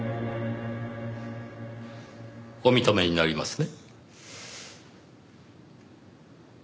お認めになりますね？